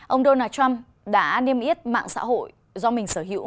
ông donald trump đã niêm yết mạng xã hội do mình sở hữu